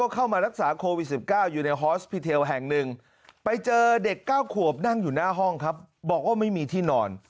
๙ขวบนั่งอยู่หน้าห้องครับบอกว่าไม่มีที่นอน